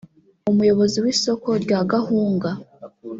umuyobozi w’isoko rya Gahunga